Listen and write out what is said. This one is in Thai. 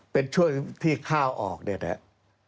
เป็นช่วงที่ข้าวออกเนี่ยนะครับ